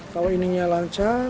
kalau ininya lancar